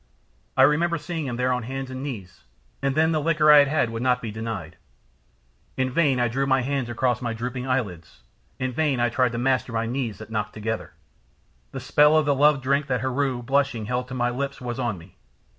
I remember seeing him there on hands and knees, and then the liquor I had had would not be denied. In vain I drew my hands across my drooping eyelids, in vain I tried to master my knees that knocked together. The spell of the love drink that Heru, blushing, had held to my lips was on me.